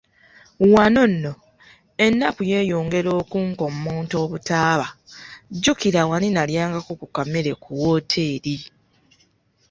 Wano nno ennaku yeeyongera okunkommonta obutaaba, jjukira wali nalyanga ku kamere ku woteeri.